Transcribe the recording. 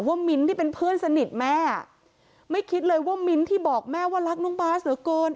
มิ้นท์ที่เป็นเพื่อนสนิทแม่ไม่คิดเลยว่ามิ้นท์ที่บอกแม่ว่ารักน้องบาสเหลือเกิน